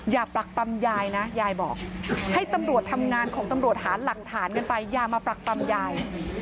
ปรักปำยายนะยายบอกให้ตำรวจทำงานของตำรวจหาหลักฐานกันไปอย่ามาปรักปำยาย